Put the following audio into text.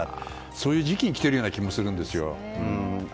そういう時期に来ているような気もするんですよ。